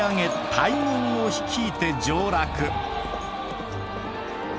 大軍を率いて上洛。